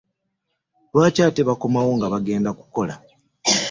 Lwaki ate bakomawo nga baagenda kukola?